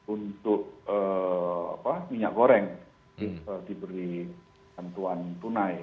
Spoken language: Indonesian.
untuk minyak goreng diberi bantuan tunai